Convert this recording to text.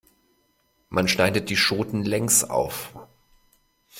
Man schneidet die Schote längs auf.